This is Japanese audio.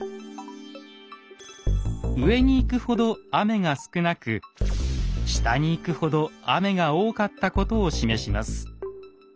上に行くほど雨が少なく下に行くほど雨が多かったことを示します。